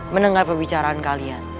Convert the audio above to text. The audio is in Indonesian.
mendengar pebicaraan kalian